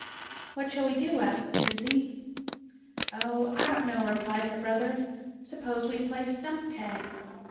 "What shall we do?" asked Susie. "Oh, I don't know," replied her brother. "S'pose we play stump tag?"